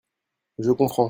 Je comprends.